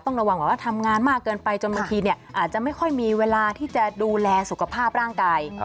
ระวังแบบว่าทำงานมากเกินไปจนบางทีอาจจะไม่ค่อยมีเวลาที่จะดูแลสุขภาพร่างกาย